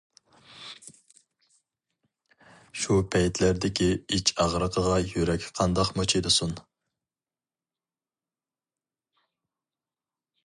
شۇ پەيتلەردىكى ئىچ ئاغرىقىغا يۈرەك قانداقمۇ چىدىسۇن.